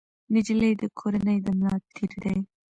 نجلۍ د کورنۍ د ملا تیر دی.